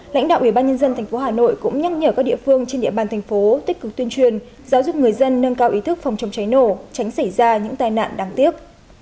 lãnh đạo ủy ban nhân dân tp hà nội cũng nhắc nhở các địa phương trên địa bàn thành phố tích cực tuyên truyền giáo dục người dân nâng cao ý thức phòng chống cháy nổ tránh xảy ra những tai nạn đáng tiếc